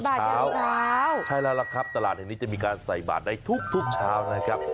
เช้าใช่แล้วล่ะครับตลาดแห่งนี้จะมีการใส่บาทได้ทุกเช้านะครับ